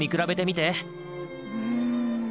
うん。